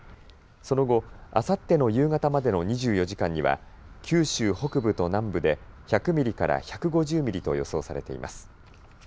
その後、あさっての夕方までの２４時間には九州北部と南部で１００ミリから１５０ミリと予想されています。